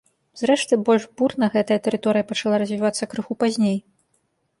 Зрэшты, больш бурна гэтая тэрыторыя пачала развівацца крыху пазней.